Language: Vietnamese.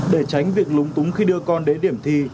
để tránh việc lúng túng khi đưa con đến điểm thi